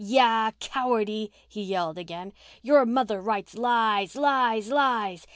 "Yah! Cowardy!" he yelled gain. "Your mother writes lies—lies—lies!